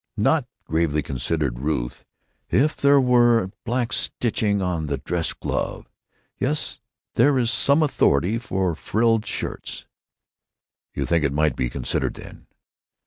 "Not," gravely considered Ruth, "if there were black stitching on the dress glove. Yet there is some authority for frilled shirts." "You think it might be considered then?"